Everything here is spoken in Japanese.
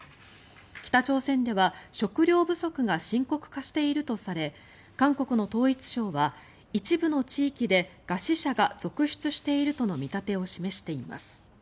北朝鮮では食料不足が深刻化しているとされ韓国の統一省は一部の地域で餓死者が続出しているとの見立てを示しています。